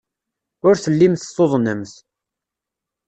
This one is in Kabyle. Ur tellimt tuḍnemt.